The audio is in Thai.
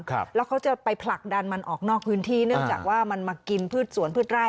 ครับแล้วเขาจะไปผลักดันมันออกนอกพื้นที่เนื่องจากว่ามันมากินพืชสวนพืชไร่